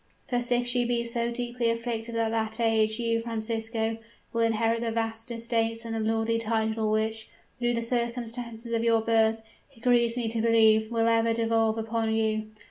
"Thus if she still be so deeply afflicted at that age, you, Francisco, will inherit the vast estates and the lordly title which, through the circumstances of your birth, it grieves me to believe will ever devolve upon you.